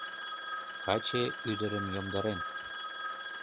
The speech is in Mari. Каче ӱдырым йомдарен.